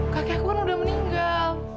kakek aku kan udah meninggal